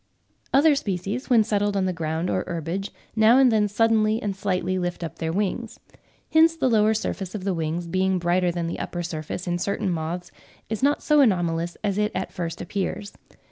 Other species, when settled on the ground or herbage, now and then suddenly and slightly lift up their wings. Hence the lower surface of the wings being brighter than the upper surface in certain moths is not so anomalous as it at first appears.